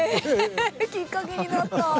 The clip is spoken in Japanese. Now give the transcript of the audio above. えっ！きっかけになった。